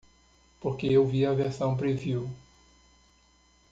Porque eu vi a versão preview